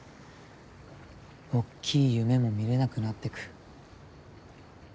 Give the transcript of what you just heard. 大っきい夢も見れなくなってく。